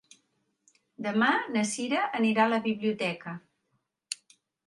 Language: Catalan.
Demà na Sira anirà a la biblioteca.